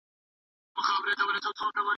مناسب غذا ماشوم ته قوت ورکوي.